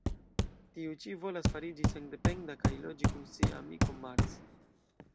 Tiu ĉi volas fariĝi sendependa kaj loĝi kun sia amiko Marc.